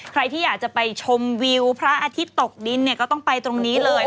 ใครที่อยากจะไปชมวิวพระอาทิตย์ตกดินเนี่ยก็ต้องไปตรงนี้เลย